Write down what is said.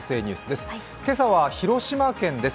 今朝は広島県です。